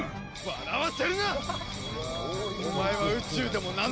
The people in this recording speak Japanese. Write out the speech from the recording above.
笑わせるな！